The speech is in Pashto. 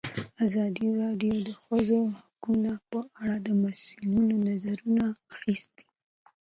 ازادي راډیو د د ښځو حقونه په اړه د مسؤلینو نظرونه اخیستي.